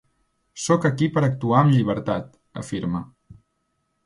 Sóc aquí per actuar amb llibertat, afirma.